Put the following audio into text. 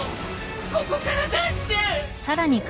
ここから出して！